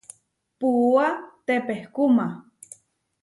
Puúa tepehkúma.